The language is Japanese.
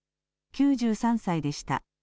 ９３歳でした。